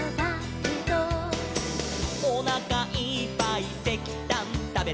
「」「おなかいっぱいせきたんたべて」